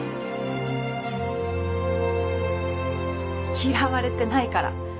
嫌われてないから。